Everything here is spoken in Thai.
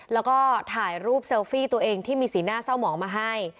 แล้วก็ถ่ายรูปเซลฟี่ตัวเองที่มีสีหน้าเศร้าหมองมาให้